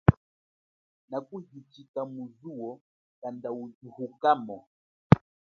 Nakuhichika muzu kanda uthuhu kamo.